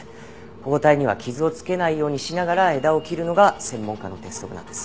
保護帯には傷をつけないようにしながら枝を切るのが専門家の鉄則なんです。